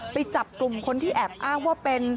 ไปจับกลุ่มคนที่แอบอ้างว่าเป็น